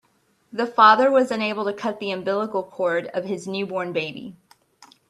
The father was unable to cut the umbilical cord of his newborn baby.